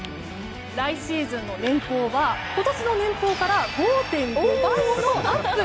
来シーズンの年俸は今年の年俸から５．５倍もアップ